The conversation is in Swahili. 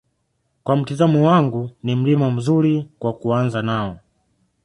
kwa mtizamo wangu ni Mlima mzuri wa kuanza nao